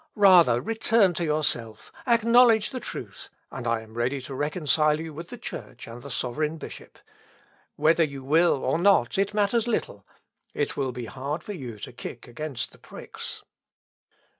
Rather return to yourself, acknowledge the truth, and I am ready to reconcile you with the Church and the sovereign bishop. Whether you will or not, it matters little. It will be hard for you to kick against the pricks...."